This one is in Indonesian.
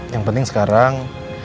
yang penting sekarang